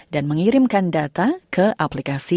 dan mengirimkan data ke aplikasi